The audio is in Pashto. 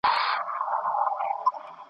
پارکونه د ارام فضا لري.